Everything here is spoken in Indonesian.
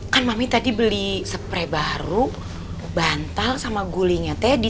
kan mami tadi beli spray baru bantal sama gulinya teddy